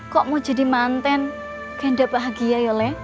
kok mau jadi mantan kayak gak bahagia ya den